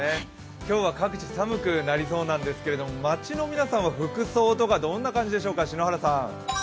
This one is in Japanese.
今日は各地寒くなりそうなんですけど、街の皆さんは服装とかどんな感じでしょうか。